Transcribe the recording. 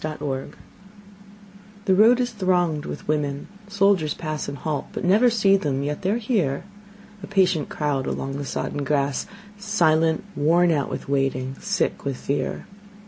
_ THE ROAD The road is thronged with women; soldiers pass And halt, but never see them; yet they're here A patient crowd along the sodden grass, Silent, worn out with waiting, sick with fear.